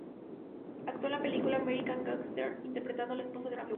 Actuó en la película "American Gangster" interpretando a la esposa de Frank Lucas.